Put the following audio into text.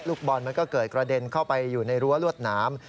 บอลมันก็เกิดกระเด็นเข้าไปอยู่ในรั้วรวดหนาม